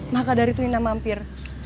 maka dari itu lina mampir